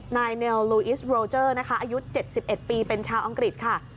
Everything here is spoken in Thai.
นายเนลลูอิสโรเจอร์นะคะอายุ๗๑ปีเป็นชาวอังกฤษค่ะ